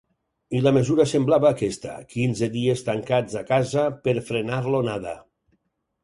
I la mesura semblava aquesta: quinze dies tancats a casa per frenar l’onada.